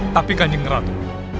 tapi kanjeng ratu